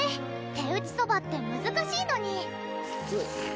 手打ちそばってむずかしいのにえっ？